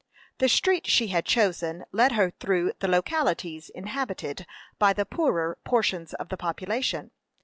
The street she had chosen led her through the localities inhabited by the poorer portions of the population.